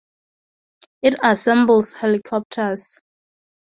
It assembles helicopters.